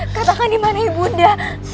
katakan dimana ibu nda